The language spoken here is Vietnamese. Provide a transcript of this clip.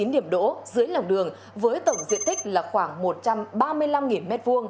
sáu trăm ba mươi chín điểm đỗ dưới lòng đường với tổng diện tích là khoảng một trăm ba mươi năm m hai